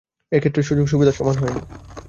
এ ক্ষেত্রে সুযোগ সুবিধা সমান হয়নি।